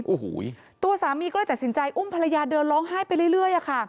โอ้โหตัวสามีก็เลยตัดสินใจอุ้มภรรยาเดินร้องไห้ไปเรื่อยอะค่ะ